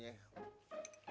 iya kan rok